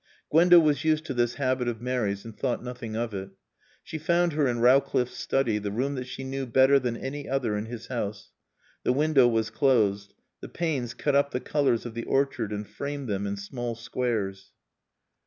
Gwenda was used to this habit of Mary's and thought nothing of it. She found her in Rowcliffe's study, the room that she knew better than any other in his house. The window was closed. The panes cut up the colors of the orchard and framed them in small squares.